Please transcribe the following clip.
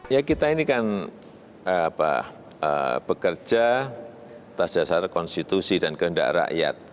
ya kita ini kan bekerja atas dasar konstitusi dan kehendak rakyat